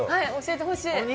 はい教えてほしい。